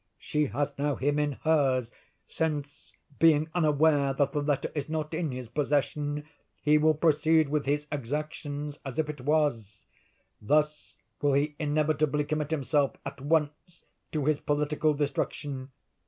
She has now him in hers—since, being unaware that the letter is not in his possession, he will proceed with his exactions as if it was. Thus will he inevitably commit himself, at once, to his political destruction.